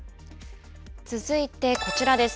続いてこちらです。